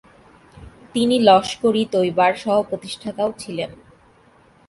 তিনি লস্কর-ই-তৈয়বার সহ-প্রতিষ্ঠাতাও ছিলেন।